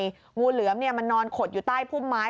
โหมางูเหลืองเนี่ยมันนอนโขดอยู่ใต้พุ่มไม้